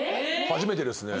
初めてですね。